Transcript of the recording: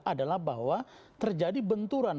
adalah bahwa terjadi benturan